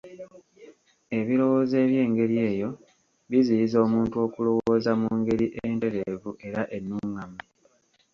Ebirowoozo eby'engeri eyo biziyiza omuntu okulowooza mu ngeri entereevu era ennungamu.